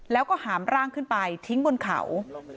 แล้วก็หามร่างขึ้นไปทิ้งบนเขา